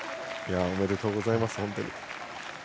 おめでとうございます本当に。